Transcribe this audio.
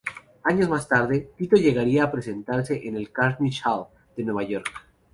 Años más tarde, Tito llegaría a presentarse en el Carnegie Hall de Nueva York.